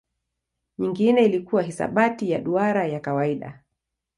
Nyingine ilikuwa hisabati ya duara ya kawaida.